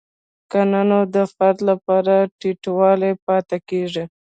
که نه نو د فرد لپاره ټیټوالی پاتې کیږي.